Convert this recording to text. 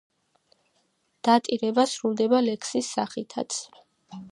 დატირება სრულდება ლექსის სახითაც.